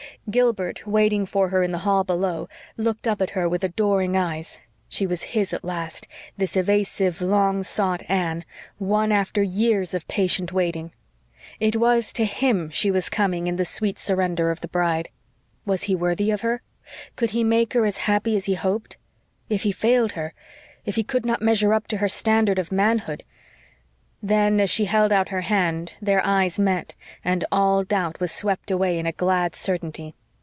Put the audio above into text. Gilbert, waiting for her in the hall below, looked up at her with adoring eyes. She was his at last, this evasive, long sought Anne, won after years of patient waiting. It was to him she was coming in the sweet surrender of the bride. Was he worthy of her? Could he make her as happy as he hoped? If he failed her if he could not measure up to her standard of manhood then, as she held out her hand, their eyes met and all doubt was swept away in a glad certainty.